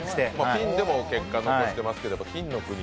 ピンでも結果残してますけどね。